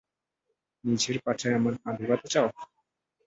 নিজের পাছায় আমার পা ঢোকাতে চাও?